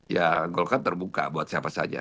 ya golkar terbuka buat siapa saja